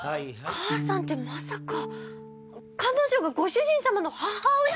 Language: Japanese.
かあさんってまさか彼女がご主人様の母親？